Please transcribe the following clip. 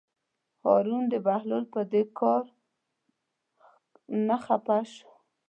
هارون د بهلول د دې کار نه خپه شو.